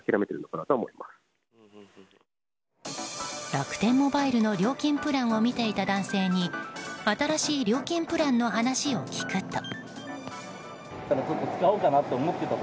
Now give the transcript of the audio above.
楽天モバイルの料金プランを見ていた男性に新しい料金プランの話を聞くと。